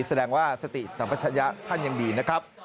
แสดงว่าสติธรรมชะยะท่านอย่างดีนะครับ